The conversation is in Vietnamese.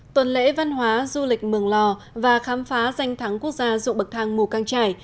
tuần lễ văn hóa du lịch mường lò và khám phá danh thắng quốc gia dụng bậc thang mù căng trải